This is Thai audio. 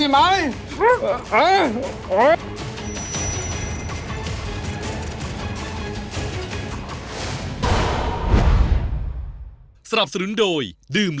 สามารถรับชมได้ทุกวัย